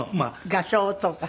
画商とか。